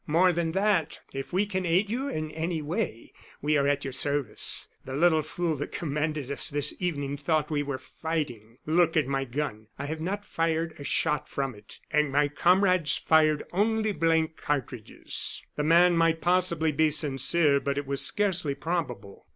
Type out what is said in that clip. More than that, if we can aid you in any way, we are at your service. The little fool that commanded us this evening thought we were fighting. Look at my gun; I have not fired a shot from it; and my comrades fired only blank cartridges." The man might possibly be sincere, but it was scarcely probable.